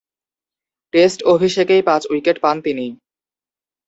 Test অভিষেকেই পাঁচ-উইকেট পান তিনি।